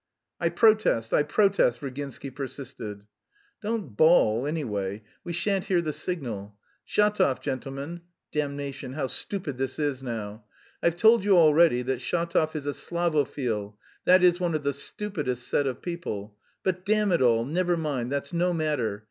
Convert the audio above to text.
"I protest, I protest!" Virginsky persisted. "Don't bawl, anyway; we shan't hear the signal. Shatov, gentlemen.... (Damnation, how stupid this is now!) I've told you already that Shatov is a Slavophil, that is, one of the stupidest set of people.... But, damn it all, never mind, that's no matter!